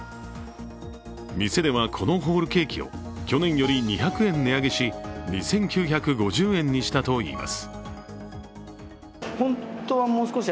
店ではこのホールケーキを去年より２００円値上げし２９５０円にしたといいます。